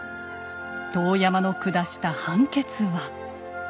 遠山の下した判決は。